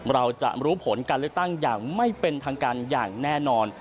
เราจะรู้ผลการเลือกตั้งอย่างไม่เป็นทางการอย่างแน่นอน